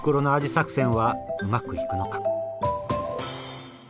作戦はうまくいくのか？